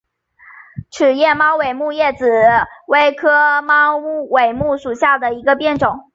齿叶猫尾木为紫葳科猫尾木属下的一个变种。